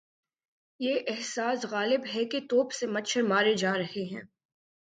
یہ احساس غالب ہے کہ توپ سے مچھر مارے جا رہے ہیں۔